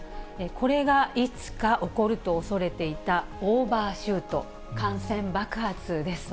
これがいつか起こると恐れていたオーバーシュート・感染爆発ですと。